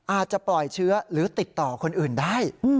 อาจจะปล่อยเชื้อหรือติดต่อคนอื่นได้